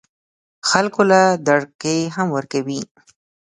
خلکو له دړکې هم ورکوي